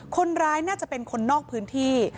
คนร้ายน่าจะเป็นคนนอกพื้นที่